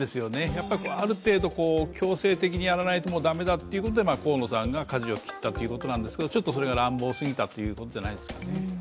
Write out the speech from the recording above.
やっぱりある程度強制的にやらないと駄目だということで河野さんが舵を切ったということですがちょっとそれが乱暴すぎたということではないでしょうか。